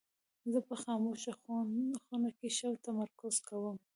زه په خاموشه خونه کې ښه تمرکز کوم.